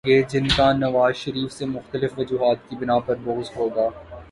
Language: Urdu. گے جن کا نواز شریف سے مختلف وجوہات کی بناء پہ بغض ہو گا۔